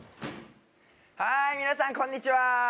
はい皆さんこんにちは